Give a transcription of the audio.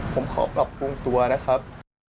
ผมขอปรับปรุงตัวนะครับ